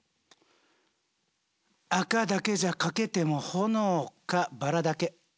赤だけじゃ描けても炎かバラだけ。